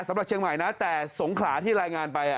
สำหรับเชียงใหม่นะแต่สงขลาที่รายงานไป